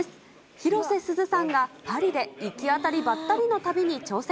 広瀬すずさんが、パリで行き当たりバッタリの旅に挑戦。